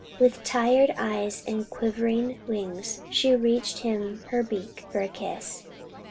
with tired eyes and quivering wings, she reached him her beak for a kiss.